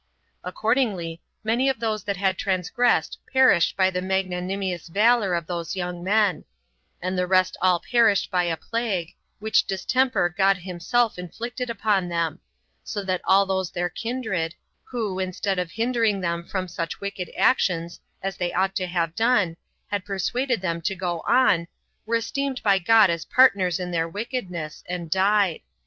Accordingly many of those that had transgressed perished by the magnanimous valor of these young men; and the rest all perished by a plague, which distemper God himself inflicted upon them; so that all those their kindred, who, instead of hindering them from such wicked actions, as they ought to have done, had persuaded them to go on, were esteemed by God as partners in their wickedness, and died.